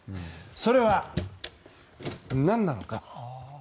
それは何なのか。